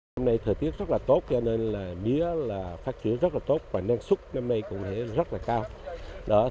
hôm nay thời tiết rất là tốt cho nên là mía phát triển rất là tốt và năng suất năm nay cũng rất là cao